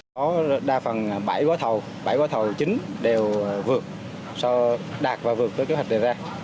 có đa phần bảy gói thầu bảy gói thầu chính đều vượt đạt và vượt tới chứa hạch đề ra